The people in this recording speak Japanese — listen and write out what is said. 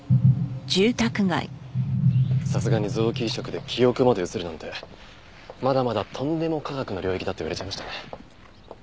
さすがに臓器移植で記憶まで移るなんてまだまだトンデモ科学の領域だって言われちゃいましたね。